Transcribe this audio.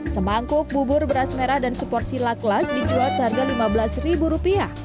semangkuk bubur beras merah dan seporsi lak lak dijual seharga lima belas ribu rupiah